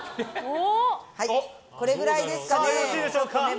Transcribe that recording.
これくらいですかね。